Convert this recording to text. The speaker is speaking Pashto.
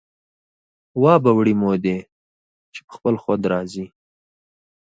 وابه وړي مودې چې په خپل خود را ځي